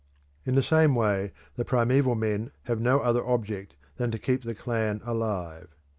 In the same way the primeval men have no other object than to keep the clan alive.